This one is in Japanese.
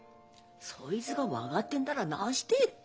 そいつが分がってんだらなして！